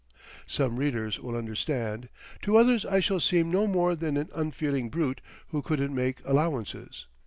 Some readers will understand—to others I shall seem no more than an unfeeling brute who couldn't make allowances....